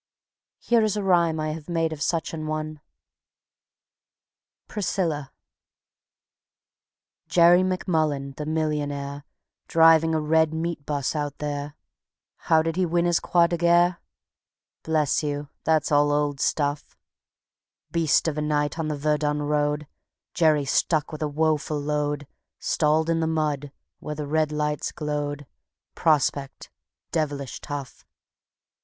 Here is a rhyme I have made of such an one: Priscilla Jerry MacMullen, the millionaire, Driving a red meat bus out there How did he win his Croix de Guerre? Bless you, that's all old stuff: Beast of a night on the Verdun road, Jerry stuck with a woeful load, Stalled in the mud where the red lights glowed, Prospect devilish tough.